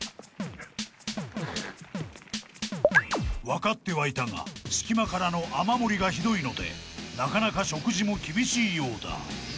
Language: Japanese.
［分かってはいたが隙間からの雨漏りがひどいのでなかなか食事も厳しいようだ］